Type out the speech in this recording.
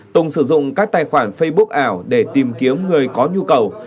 tùng sử dụng các tài khoản facebook ảo để tìm kiếm người có nhu cầu